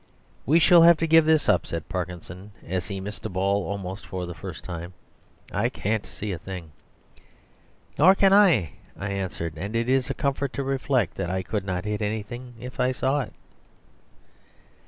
"We shall have to give this up," said Parkinson, as he missed a ball almost for the first time, "I can't see a thing." "Nor can I," I answered, "and it is a comfort to reflect that I could not hit anything if I saw it."